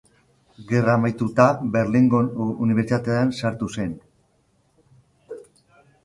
Gerra amaituta, Berlingo Unibertsitatean sartu zen.